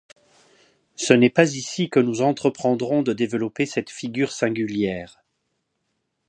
Ce n'est pas ici que nous entreprendrons de développer cette figure singulière.